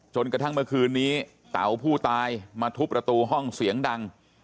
จนกระทั่งเมื่อคืนนี้เต๋าผู้ตายมาทุบประตูห้องเสียงดัง